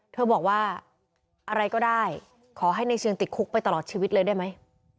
เธอบอกว่าอะไรก็ได้ขอให้ในเชิงติดคุกไปตลอดชีวิตเลยได้ไหม